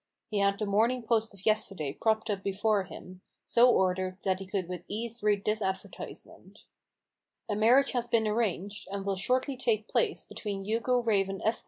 He had the Morning Post of yesterday propped up before him, so ordered, that he could with ease read this advertisement :—" A marriage has been arranged, and will shortly take place between Hugo Raven, Esq.